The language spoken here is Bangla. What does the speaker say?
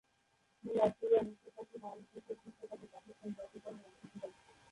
তিনি অস্ট্রেলিয়ায় অনুষ্ঠিতব্য নারী ক্রিকেট বিশ্বকাপে পাকিস্তান জাতীয় দলের অংশ ছিলেন।